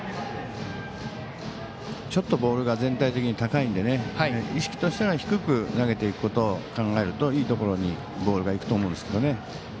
ちょっとボールが全体的に高いので意識としたら低く投げていくことを考えるといいところにボールがいくと思うんですけどね。